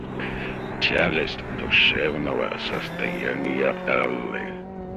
Тяжесть душевного состояния Анны.